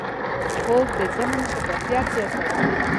خوب د ذهن شفافیت زیاتوي